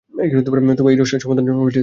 তবে এই রহস্যের সমাধান তেমন জটিল নয়।